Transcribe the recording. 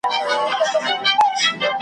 زه لار ورکی مسافر یمه روان یم .